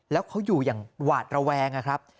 แล้วเขาอยู่อย่างหวาดระแวงนะครับ